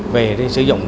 về thì sử dụng dưới